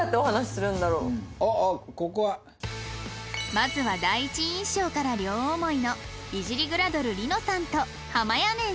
まずは第一印象から両思いの美尻グラドル璃乃さんとはまやねんさん